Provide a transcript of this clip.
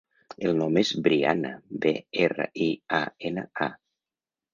El nom és Briana: be, erra, i, a, ena, a.